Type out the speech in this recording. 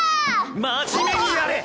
真面目にやれ！